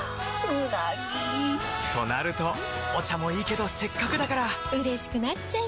うなぎ！となるとお茶もいいけどせっかくだからうれしくなっちゃいますか！